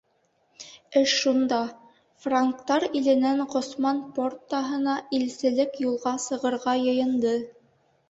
Эш шунда: франктар иленән Ғосман Портаһына илселек юлға сығырға йыйынды.